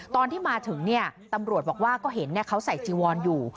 ตอนที่มาถึงตำรวจบอกว่าก็เห็นเขาใส่จีวอนอยู่